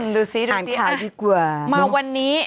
ดูซิดูซิมาวันนี้